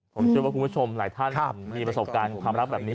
ผมเชื่อว่าคุณผู้ชมหลายท่านมีประสบการณ์ความรักแบบนี้